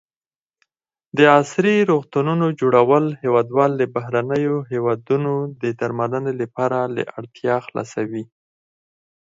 د عصري روغتونو جوړول هېوادوال له بهرنیو هېوادونو د درملنې لپاره له اړتیا خلاصوي.